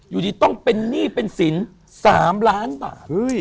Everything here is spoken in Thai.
อยู่ดีต้องเป็นหนี้เป็นสิน๓ล้านบาท